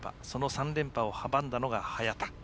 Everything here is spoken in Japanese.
その３連覇を阻んだのが早田。